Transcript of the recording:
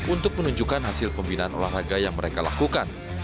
untuk menunjukkan hasil pembinaan olahraga yang mereka lakukan